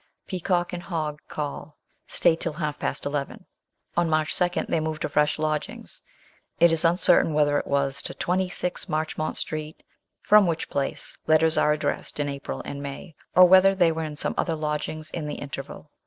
Peacock and Hogg call ; stay till half past eleven. On March 2 they move to fresh lodgings. It is 88 MBS. SHELLEY. uncertain whether it was to 26 Marchmont Street, from which place letters are addressed in April and May, or whether they were in some other lodgings in the interval.